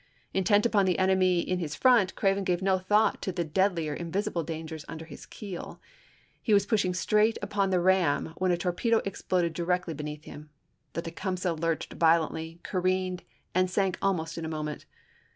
Intent upon the enemy in his front, Craven gave no thought to the deadlier invisible dangers under his keel. He was pushing straight upon the ram when a torpedo exploded directly beneath him ; the Te cumseh lurched violently, careened, and sunk al most in a moment.